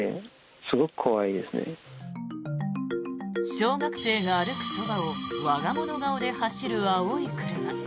小学生が歩くそばを我が物顔で走る青い車。